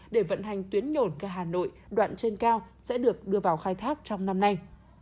để vận hành tuyến nhổn ga hà nội đoạn trên cao sẽ được đưa vào khai thác trong năm nay